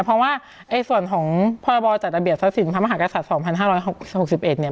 เพราะว่าส่วนของพรจทรัพย์สินพศ๒๕๖๑เนี่ย